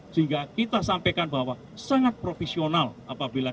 sehingga kita sampaikan bahwa semuanya berlandaskan pada provisionalitas dan merit system